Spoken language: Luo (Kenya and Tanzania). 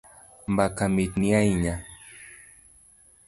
Mbaka mitni ahinya